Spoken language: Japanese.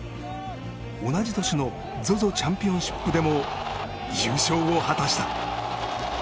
同じ年のＺＯＺＯチャンピオンシップでも優勝を果たした。